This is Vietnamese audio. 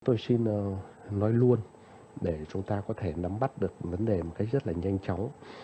tôi xin nói luôn để chúng ta có thể nắm bắt được vấn đề một cách rất là nhanh chóng